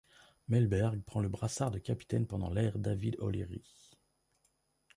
Mellberg prend le brassard de capitaine pendant l'ère David O'Leary.